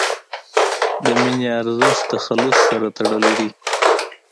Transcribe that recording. د مینې ارزښت د خلوص سره تړلی دی.